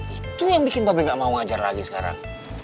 itu yang bikin pabrik gak mau ngajar lagi sekarang